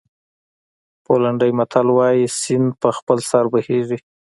پولنډي متل وایي سیند په خپل سر بهېږي.